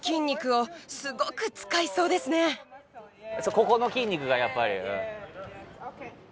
ここの筋肉がやっぱり。